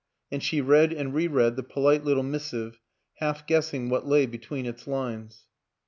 . and she read and re read the polite little missive, half guessing what lay between its lines.